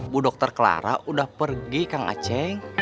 bu dokter clara udah pergi kang aceh